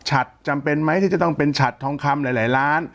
จำเป็นไหมที่จะต้องเป็นฉัดทองคำหลายล้าน